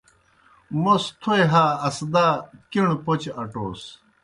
موْس تھوئے ہا اسدا کݨہ پوْچہ اٹوس۔